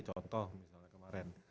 contoh misalnya kemarin